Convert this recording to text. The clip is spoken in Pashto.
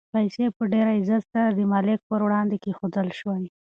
پیسې په ډېر عزت سره د مالک په وړاندې کېښودل شوې.